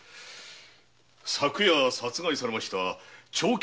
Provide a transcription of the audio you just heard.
昨夜殺害された「長吉」